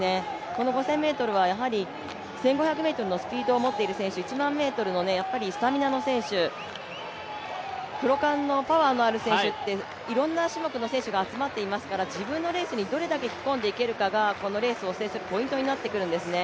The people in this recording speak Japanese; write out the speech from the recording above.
この５０００ｍは１５００ｍのスピードを持っている選手１００００ｍのスタミナの選手クロカンのパワーのある選手っていろんな種目の選手が集まっていますから自分のレースにどれだけ引き込んでいけるかがこのレースを制するポイントになっていますね。